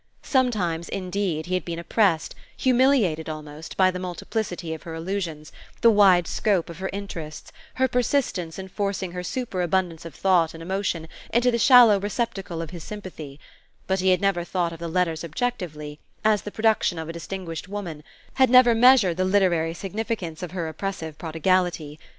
Sometimes, indeed, he had been oppressed, humiliated almost, by the multiplicity of her allusions, the wide scope of her interests, her persistence in forcing her superabundance of thought and emotion into the shallow receptacle of his sympathy; but he had never thought of the letters objectively, as the production of a distinguished woman; had never measured the literary significance of her oppressive prodigality.